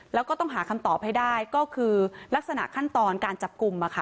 แล้วก็ต้องหาคำตอบให้ได้ก็คือลักษณะขั้นตอนการจับกลุ่ม